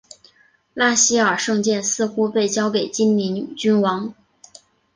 纳希尔圣剑似乎被交给精灵君王。